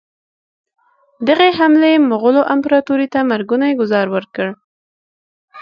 دغې حملې مغولو امپراطوري ته مرګونی ګوزار ورکړ.